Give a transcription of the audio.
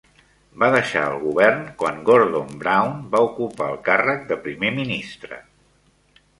Va deixar el Govern quan Gordon Brown va ocupar el càrrec de primer ministre.